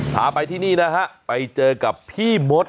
พาไปที่นี่นะฮะไปเจอกับพี่มด